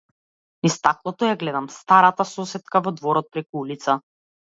Низ стаклото ја гледам старата сосетка во дворот преку улица.